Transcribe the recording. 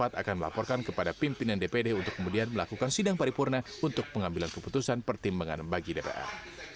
akan melaporkan kepada pimpinan dpd untuk kemudian melakukan sidang paripurna untuk pengambilan keputusan pertimbangan bagi dpr